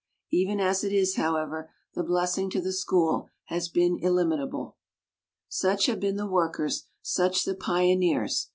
Even as it is, however, the blessing to the school has been illimitable. Such have been the workers, such the pio neers.